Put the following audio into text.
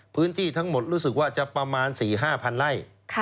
พื้นที่ทั้งหมดรู้สึกว่าจะประมาณ๔๕๐๐ไร่